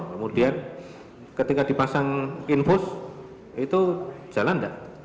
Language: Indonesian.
kemudian ketika dipasang infus itu jalan tidak